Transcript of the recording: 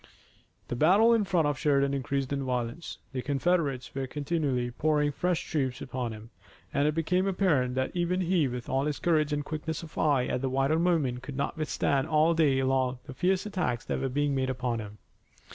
The battle in front of Sheridan increased in violence. The Confederates were continually pouring fresh troops upon him, and it became apparent that even he, with all his courage and quickness of eye at the vital moment, could not withstand all day long the fierce attacks that were being made upon him.